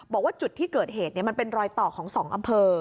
บอกว่าจุดที่เกิดเหตุมันเป็นรอยต่อของ๒อำเภอ